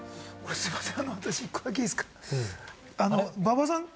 すいません。